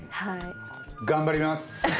頑張ります！